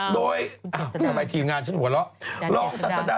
โดยทีมงานฉันหัวเราะ